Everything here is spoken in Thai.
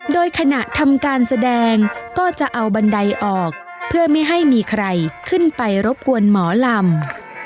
โดยขณะทำการแสดงก็จะเอาบันไดออกเพื่อไม่ให้มีใครขึ้นไปรบกวนหมอลำ